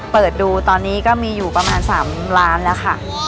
เปิดดูตอนนี้ก็มีอยู่ประมาณ๓ล้านแล้วค่ะ